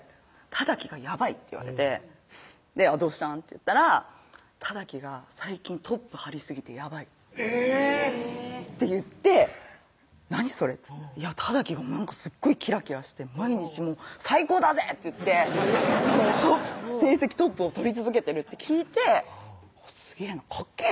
「任記がやばい」って言われて「どうしたん？」って言ったら「任記が最近トップ張りすぎてやばい」えぇ！って言って「何？それ」っつって「任記がすっごいキラキラして毎日最高だぜ！って言って成績トップを取り続けてる」って聞いてすげぇなかっけぇ